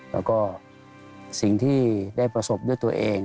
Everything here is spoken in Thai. แล้วก็สิ่งที่ได้ประสบด้วยตัวเอง